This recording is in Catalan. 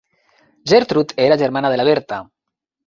Gertrude era germana de la Bertha.